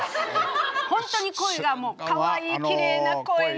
本当に声がもうかわいいきれいな声ね。